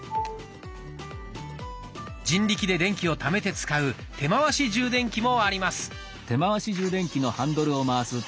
人力で電気をためて使う手回し充電器もあります。